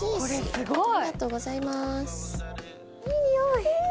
すごい！